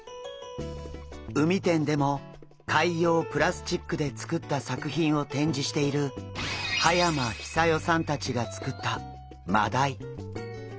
海展でも海洋プラスチックで作った作品を展示している葉山久世さんたちが作ったマダイ。